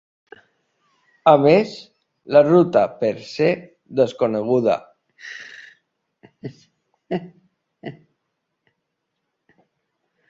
A més, la ruta "per se" desconeguda.